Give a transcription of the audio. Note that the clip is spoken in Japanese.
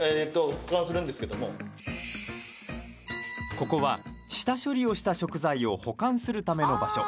ここは、下処理をした食材を保管するための場所。